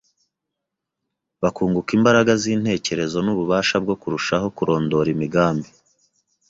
bakunguka imbaraga z’intekerezo n’ububasha bwo kurushaho kurondora imigambi